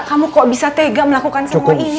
kamu kok bisa tega melakukan semua ini